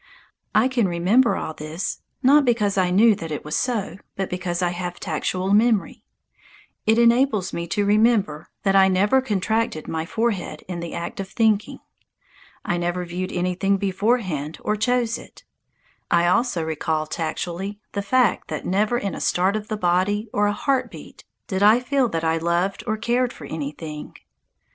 I can remember all this, not because I knew that it was so, but because I have tactual memory. It enables me to remember that I never contracted my forehead in the act of thinking. I never viewed anything beforehand or chose it. I also recall tactually the fact that never in a start of the body or a heart beat did I feel that I loved or cared for anything.